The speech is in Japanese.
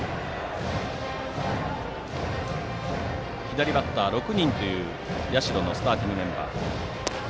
左バッター、６人という社のスターティングメンバー。